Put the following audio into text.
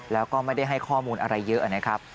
แล้วก็ไม่ได้ให้ข้อมูลอะไรเยอะนะครับ